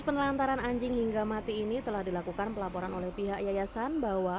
penelantaran anjing hingga mati ini telah dilakukan pelaporan oleh pihak yayasan bahwa